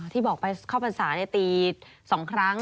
ที่บอกไปเข้าพรรษาตี๒ครั้ง